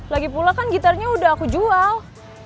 lagipula kan gitarnya udah aku jual